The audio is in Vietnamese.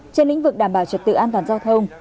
trên lĩnh vực đảm bảo trật tự an toàn giao thông